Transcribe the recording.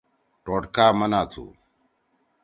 ٹوٹکا منع تُھو۔